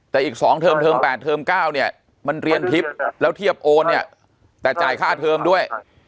แต่อีกสองเทิมเทิมแปดเทิมเก้าเนี้ยมันเรียนทริปแล้วเทียบโอนเนี่ยแต่จ่ายค่าเทิมด้วย